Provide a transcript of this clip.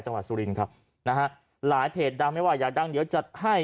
สุรินครับนะฮะหลายเพจดังไม่ว่าอยากดังเดี๋ยวจัดให้